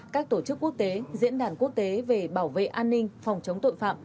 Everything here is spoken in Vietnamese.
các tổ chức quốc tế diễn đàn quốc tế về bảo vệ an ninh phòng chống tội phạm